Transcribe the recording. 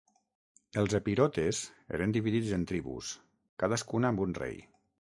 Els epirotes eren dividits en tribus, cadascuna amb un rei.